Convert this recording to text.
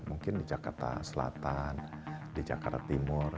mungkin di jakarta selatan di jakarta timur